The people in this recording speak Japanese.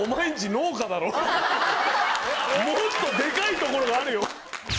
もっとデカいところがあるよ！